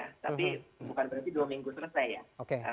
tapi bukan berarti dua minggu selesai ya